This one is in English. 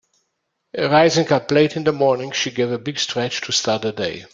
Rising up late in the morning she gave a big stretch to start the day.